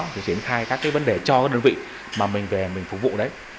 triển khai các vấn đề cho đơn vị mà mình về mình phục vụ đấy